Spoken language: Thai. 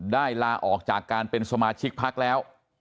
ลาออกจากการเป็นสมาชิกพักแล้ว